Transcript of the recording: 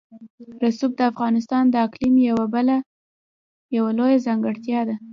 رسوب د افغانستان د اقلیم یوه بله لویه ځانګړتیا ده.